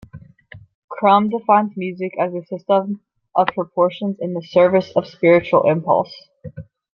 Crumb defines music as a system of proportions in the service of spiritual impulse.